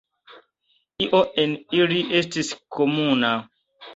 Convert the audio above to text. Io en ili estis komuna.